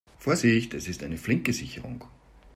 Vorsichtig, es ist eine flinke Sicherung.